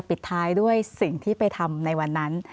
ปิดท้ายด้วยสิ่งที่ไปทำในวันนั้น